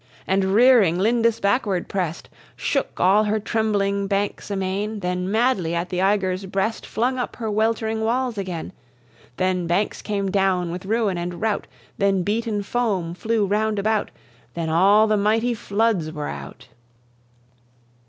And rearing Lindis backward press'd Shook all her trembling bankes amaine; Then madly at the eygre's breast Flung uppe her weltering walls again. Then bankes came downe with ruin and rout Then beaten foam flew round about Then all the mighty floods were out.